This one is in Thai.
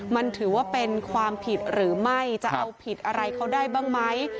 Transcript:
มันถือว่าเป็นความผิดหรือไม่จะเอาผิดอะไรเขาได้บ้างไหม